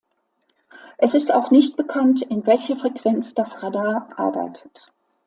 Es ist auch nicht bekannt in welcher Frequenz das Radar arbeitet.